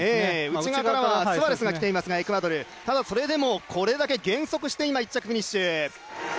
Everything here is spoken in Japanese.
内側からはスアレスが来ていますが、それでもこれだけ減速して今、１着フィニッシュ。